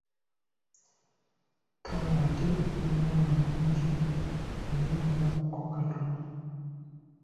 Kale ate oli muwala mulungi naye obulamu kko katono.